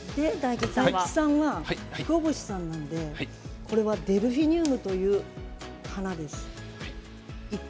大吉さんは、ひこ星さんなのでデルフィニウムという花です。